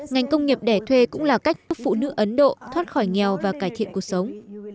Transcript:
ngành công nghiệp đẻ thuê cũng là cách giúp phụ nữ ấn độ thoát khỏi nghèo và cải thiện cuộc sống